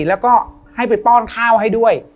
แล้วก็ให้ไปป้อนข้าวให้ด้วย